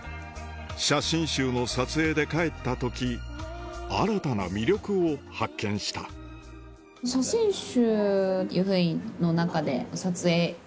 写真集の撮影で帰った時新たな魅力を発見した写真集。